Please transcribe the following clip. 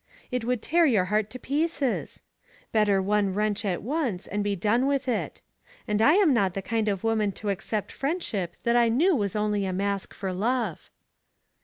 It would tear your heart to pieces. Better one wrench at once and be done with it. And I am not the kind of woman to accept friendship that I knew was only a mask for love."